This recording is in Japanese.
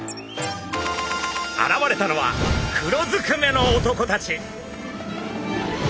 現れたのは黒ずくめの男たち。